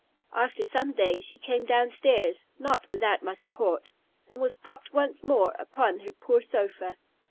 After some days she came down stairs, not without my support, and was propped once more upon her poor sofa.